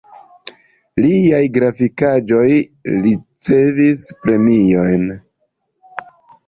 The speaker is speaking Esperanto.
Liaj grafikaĵoj ricevis premiojn.